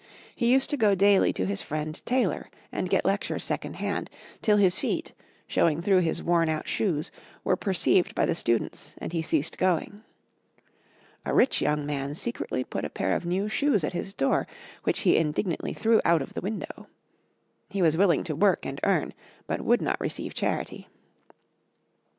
He used to go daily to his friend Taylor, and get lectures second hand, till his feet, showing through his worn out shoes, were perceived by the students, and he ceased going. A rich young man secretly put a pair of new shoes at his door, which he indignantly threw out of the window. He was willing to work and earn, but would not receive charity.